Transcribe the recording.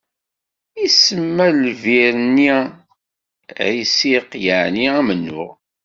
Isemma i lbir-nni: Ɛisiq, yƐni amennuɣ.